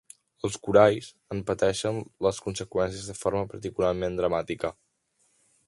Els coralls en pateixen les conseqüències de forma particularment dramàtica.